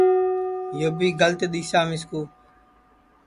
یو بھی گلت دِؔسا مِسکُو